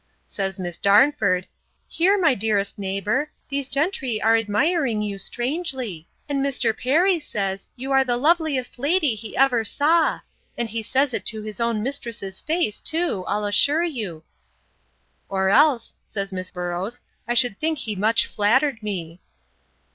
Says Miss Darnford, Here, my dearest neighbour, these gentry are admiring you strangely; and Mr. Perry says, you are the loveliest lady he ever saw; and he says it to his own mistress's face too, I'll assure you!—Or else, says Miss Boroughs, I should think he much flattered me.